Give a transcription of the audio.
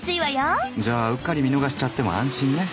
じゃあうっかり見逃しちゃっても安心ね。